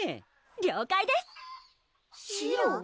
了解ですシロ？